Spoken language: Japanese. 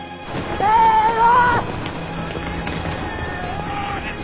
せの。